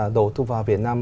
đầu tư vào việt nam